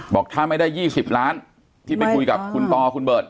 บอกถ้าไม่ได้๒๐ล้านที่ไปคุยกับคุณปอคุณเบิร์ต